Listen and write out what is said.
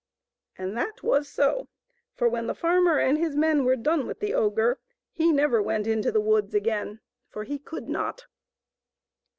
And that was so ; for when the farmer and his men were done with the ogre he never went into the woods again, for he could not.